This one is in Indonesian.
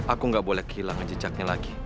aku gak boleh kehilangan jejaknya lagi